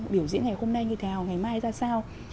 biểu diễn ngày hôm nay như thế nào ngày mai ra sao